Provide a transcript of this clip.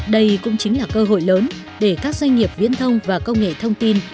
đây cũng chính là cơ hội lớn để các doanh nghiệp viễn thông và công nghệ thông tin